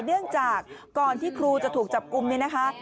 เนื่องจากก่อนที่ครูถูกจับอุ้มนะคะ